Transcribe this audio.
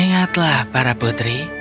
ingatlah para putri